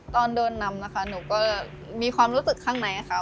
ตอนโดนนำนะคะหนูก็มีความรู้สึกข้างในค่ะ